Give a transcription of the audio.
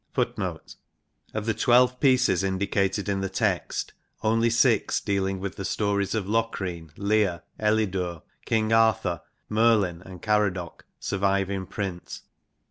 1 1 Of the twelve pieces indicated in the text, only six, dealing with the stories of Locrine, Lear, Elidure, King Arthur, Merlin, and Caradoc, survive in print.